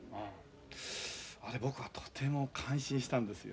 あれ僕はとても感心したんですよ。